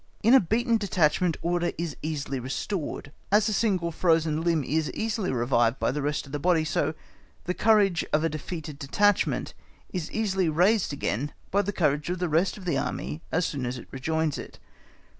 In a beaten detachment order is easily restored. As a single frozen limb is easily revived by the rest of the body, so the courage of a defeated detachment is easily raised again by the courage of the rest of the Army as soon as it rejoins it.